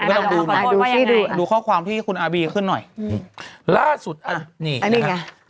อ่าอ่าดูข้อความที่คุณอาร์บีขึ้นหน่อยล่าสุดอ่านี่นะครับ